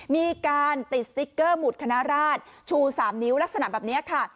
มีการติดสติ๊กเกอร์หุดคณะราชชู๓นิ้วลักษณะแบบนี้ค่ะ